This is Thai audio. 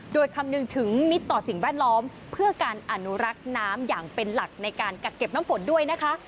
โดยคำนึงถึงมิตรต่อสิ่งแวดล้อมเพื่อการอนุรักษ์น้ำอย่างเป็นหลักในการกักเก็บน้ำฝนด้วยนะคะ